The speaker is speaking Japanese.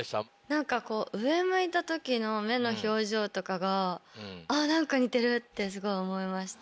何かこう上向いた時の目の表情とかがあっ何か似てる！ってすごい思いました。